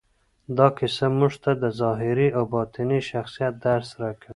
دا کیسه موږ ته د ظاهري او باطني شخصیت درس راکوي.